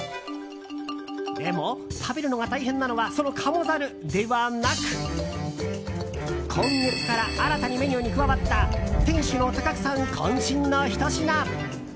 でも、食べるのが大変なのはその鴨ざるではなく今月から新たにメニューに加わった店主の高久さん渾身のひと品。